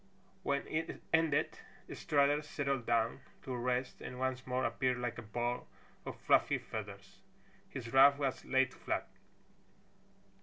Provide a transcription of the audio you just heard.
When it ended Strutter settled down to rest and once more appeared like a ball of fluffy feathers. His ruff was laid flat.